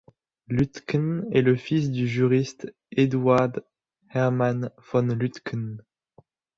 Lütken est le fils du juriste Eduard Hermann von Lütcken.